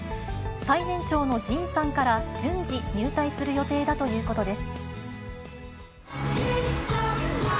最年長のＪＩＮさんから順次、入隊する予定だということです。